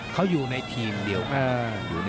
เขาอยู่ในทีมเดียวกัน